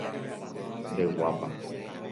Ndeguápa.